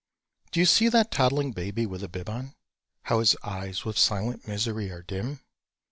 Do you see that toddling baby with a bib on, How his eyes with silent misery are dim?